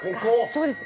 そうです。